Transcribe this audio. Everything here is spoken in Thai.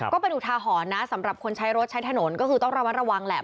ก็เป็นอุทาหรณ์นะสำหรับคนใช้รถใช้ถนนก็คือต้องระมัดระวังแหละ